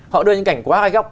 họ đưa những cảnh quá góc